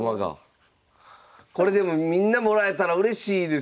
これでもみんなもらえたらうれしいですよね！